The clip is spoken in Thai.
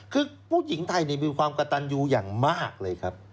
คือผู้หญิงไทยมีความกระตันยูอย่างมากเลยครับ